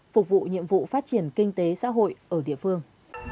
phục vụ nhiệm vụ phát triển kinh tế xã hội ở địa phương